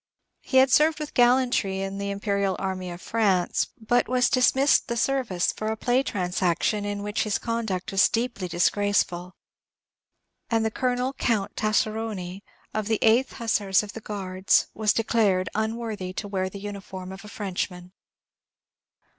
He had served with gallantry in the imperial army of France, but was dismissed the service for a play transaction in which his conduct was deeply disgraceful; and the Colonel Count Tasseroni, of the 8th Hussars of the Guards, was declared unworthy to wear the uniform of a Frenchman.